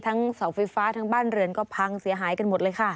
เสาไฟฟ้าทั้งบ้านเรือนก็พังเสียหายกันหมดเลยค่ะ